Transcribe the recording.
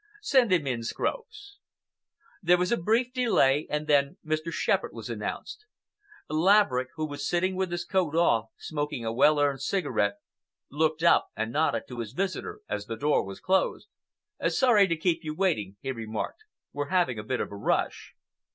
Send him in, Scropes." There was a brief delay and then Mr. Shepherd was announced. Laverick, who was sitting with his coat off, smoking a well earned cigarette, looked up and nodded to his visitor as the door was closed. "Sorry to keep you waiting," he remarked. "We're having a bit of a rush."